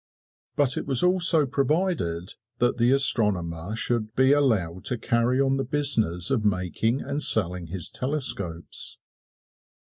But it was also provided that the astronomer should be allowed to carry on the business of making and selling his telescopes.